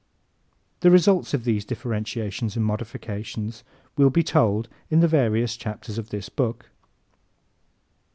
The results of these differentiations and modifications will be told in the various chapters of this book.